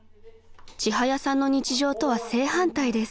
［ちはやさんの日常とは正反対です］